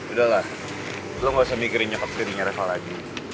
udah lah lo gak usah mikir nyokap tirinya reva lagi